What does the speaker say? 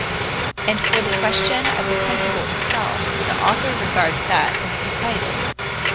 As for the question of the principle itself, the author regards that as decided.